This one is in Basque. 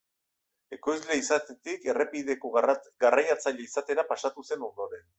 Ekoizle izatetik errepideko garraiatzaile izatera pasatu zen ondoren.